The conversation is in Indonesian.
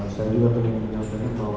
saya juga tadi menyampaikan bahwa